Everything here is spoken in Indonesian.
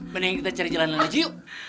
mending kita cari jalanan aja yuk